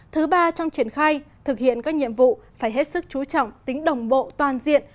thứ ba trong triển khai thực hiện các nhiệm vụ phải hết sức chú trọng tính đồng bộ toàn diện